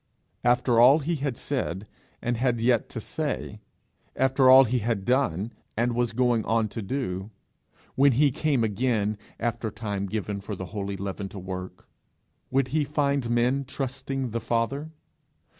After all he had said, and had yet to say, after all he had done, and was going on to do, when he came again, after time given for the holy leaven to work, would he find men trusting the Father?